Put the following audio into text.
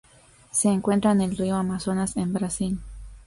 Se encuentra en el Río Amazonas en Brasil.